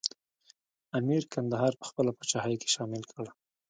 امیر کندهار په خپله پاچاهۍ کې شامل کړ.